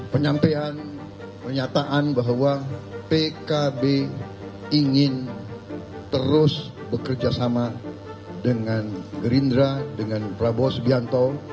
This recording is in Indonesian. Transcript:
penyampaian pernyataan bahwa pkb ingin terus bekerja sama dengan gerindra dengan prabowo subianto